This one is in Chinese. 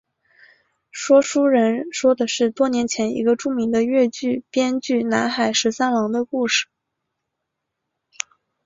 说书人说的是多年前一个著名的粤剧编剧南海十三郎的故事。